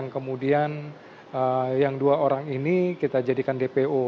kemudian yang dua orang ini kita jadikan dpo